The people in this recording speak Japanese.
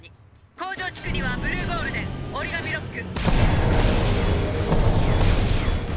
工場地区にはブルーゴールデン折紙ロック」。